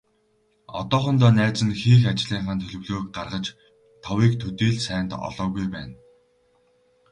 Одоохондоо найз нь хийх ажлынхаа төлөвлөгөөг гаргаж, товыг төдий л сайн олоогүй байна.